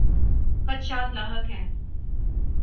خدشات لاحق ہیں۔